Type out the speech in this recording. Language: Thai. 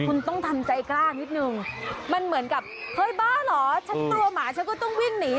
คุณต้องทำใจกล้านิดนึงมันเหมือนกับเฮ้ยบ้าเหรอฉันกลัวหมาฉันก็ต้องวิ่งหนี